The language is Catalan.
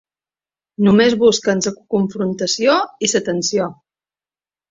Només busquen la confrontació i la tensió.